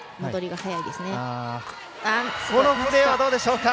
このプレーどうでしょうか！